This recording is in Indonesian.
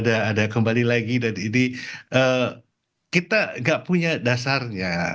ada kembali lagi dan ini kita nggak punya dasarnya